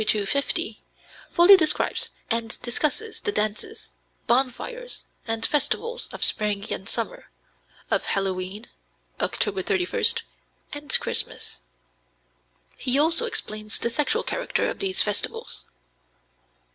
236 350) fully describes and discusses the dances, bonfires and festivals of spring and summer, of Halloween (October 31), and Christmas. He also explains the sexual character of these festivals.